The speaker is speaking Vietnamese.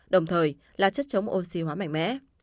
đồng thời là chất chống oxy hóa mạnh mẽ